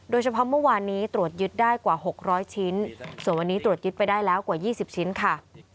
เมื่อวานนี้ตรวจยึดได้กว่า๖๐๐ชิ้นส่วนวันนี้ตรวจยึดไปได้แล้วกว่า๒๐ชิ้นค่ะ